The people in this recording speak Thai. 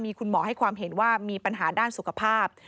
มีคุณหมอให้ความเห็นว่ามีปัญหาด้านสุขภาพ